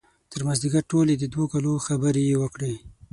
تر مازدیګر ټولې د دوه کالو خبرې یې وکړې.